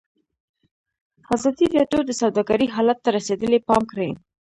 ازادي راډیو د سوداګري حالت ته رسېدلي پام کړی.